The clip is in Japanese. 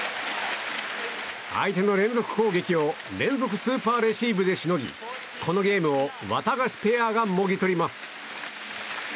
相手の連続攻撃を連続スーパーレシーブでしのぎこのゲームをワタガシペアがもぎ取ります。